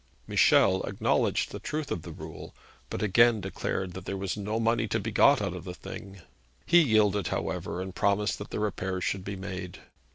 Michel acknowledged the truth of the rule, but again declared that there was no money to be got out of the thing. He yielded, however, and promised that the repairs should be made.